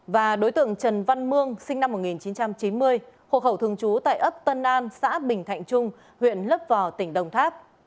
và đối tượng trần văn mương sinh năm một nghìn chín trăm chín mươi hộ khẩu thường trú tại ấp tân an xã bình thạnh trung huyện lấp vò tỉnh đồng tháp